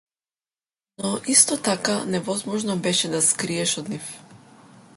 Но исто така невозможно беше да се скриеш од нив.